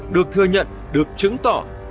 được thừa nhận được chứng tỏ